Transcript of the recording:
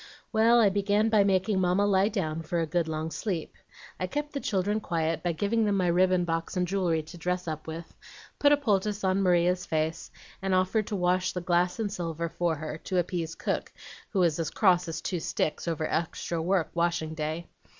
Well, I began by making Mamma lie down for a good long sleep. I kept the children quiet by giving them my ribbon box and jewelry to dress up with, put a poultice on Maria's face, and offered to wash the glass and silver for her, to appease cook, who was as cross as two sticks over extra work washing day.